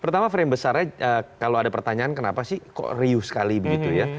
pertama frame besarnya kalau ada pertanyaan kenapa sih kok riuh sekali begitu ya